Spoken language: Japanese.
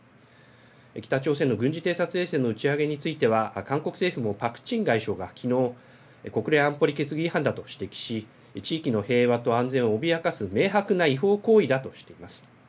北朝鮮の軍事偵察衛星の打ち上げについては韓国政府もパク・チン外相がきのう国連安保理決議違反だと指摘し地域の平和と安全を脅かす明白な違法行為だとしています。